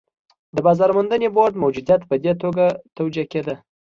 د بازار موندنې بورډ موجودیت په دې توګه توجیه کېده.